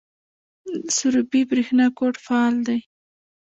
سروبي بریښنا کوټ فعال دی؟